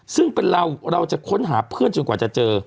ซึ่งเป็นเราเราจะค้นหาเพื่อนจนกว่าจะเจอ